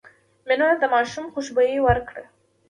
مېلمه ته د ماشوم خوشبويي ورکړه.